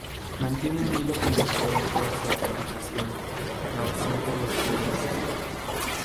Mantiene un hilo conductor en toda su argumentación: la opción por los pobres.